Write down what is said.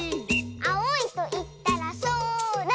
「あおいといったらそら！」